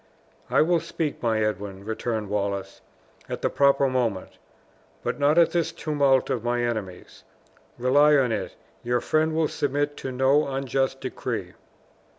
"I will speak, my Edwin," returned Wallace, "at the proper moment; but not in this tumult of my enemies. Rely on it, your friend will submit to no unjust decree."